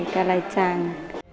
cả lạch tràng